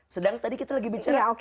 sedang tadi kita lagi bicara